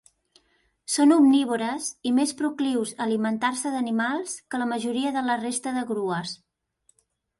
Són omnívores i més proclius a alimentar-se d'animals que la majoria de la resta de grues.